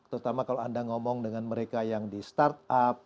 terutama kalau anda ngomong dengan mereka yang di startup